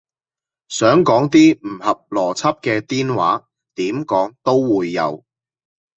想講啲唔合邏輯嘅癲話，點講都會有